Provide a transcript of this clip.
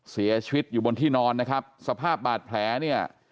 เสียชีวิตอยู่บนที่นอนนะครับสภาพบาดแผลเนี่ย